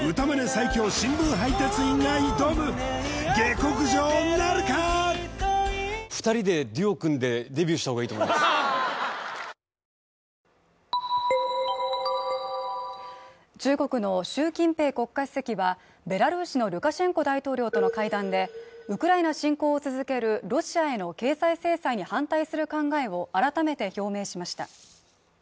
最強新聞配達員が挑む下克上なるか中国の習近平国家主席はベラルーシのルカシェンコ大統領との会談でウクライナ侵攻を続けるロシアへの経済制裁に反対する考えを改めて表明しました。